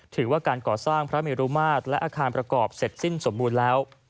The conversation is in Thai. ถือว่าการก่อสร้างพระเมรุมาตรและอาคารประกอบเสร็จสิ้นสมบูรณ์แล้ว